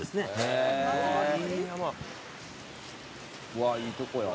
「うわっいいとこや」